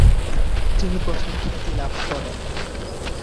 তিনি প্রথম খ্যাতিলাভ করেন।